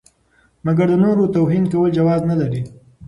مګر د نورو توهین کول جواز نه لري.